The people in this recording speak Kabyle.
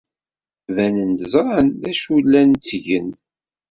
Banen-d ẓran d acu ay llan ttgen.